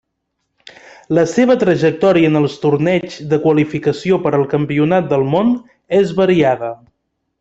La seva trajectòria en els torneigs de qualificació per al campionat del món és variada.